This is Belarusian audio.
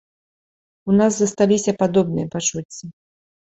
У нас засталіся падобныя пачуцці.